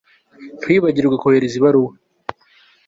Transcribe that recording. Ntiwibagirwe kohereza ibaruwa